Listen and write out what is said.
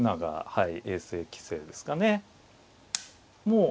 はい。